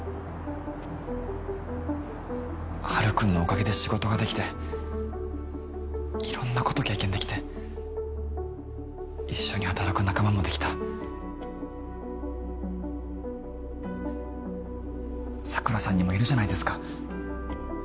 ハルくんのおかげで仕事ができて色んなこと経験できて一緒に働く仲間もできた桜さんにもいるじゃないですか